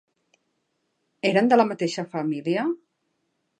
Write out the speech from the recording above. Eren de la mateixa família?